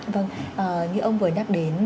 vâng như ông vừa đáp đến